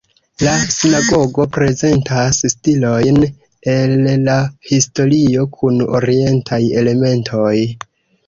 La sinagogo prezentas stilojn el la historio kun orientaj elementoj.